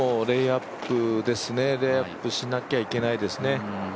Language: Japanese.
レイアップしなきゃいけないですね。